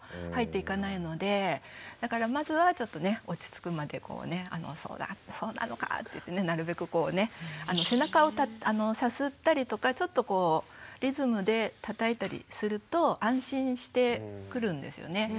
だからまずはちょっとね落ち着くまで「そうなのか」ってなるべくこうね背中をさすったりとかちょっとリズムでたたいたりすると安心してくるんですよね。